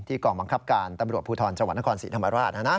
กองบังคับการตำรวจภูทรจังหวัดนครศรีธรรมราช